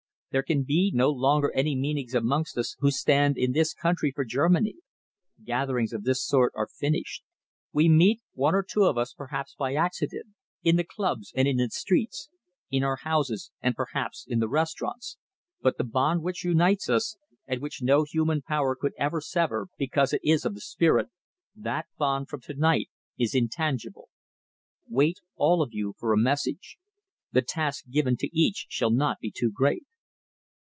There can be no longer any meetings amongst us who stand in this country for Germany. Gatherings of this sort are finished. We meet, one or two of us, perhaps, by accident, in the clubs and in the streets, in our houses and perhaps in the restaurants, but the bond which unites us, and which no human power could ever sever because it is of the spirit, that bond from to night is intangible. Wait, all of you, for a message. The task given to each shall not be too great."